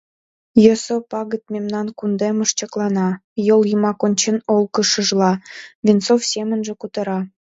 «Йӧсӧ пагыт мемнан кундемыш чаклана, — йол йымак ончен ошкылшыжла, Венцов семынже кутыра.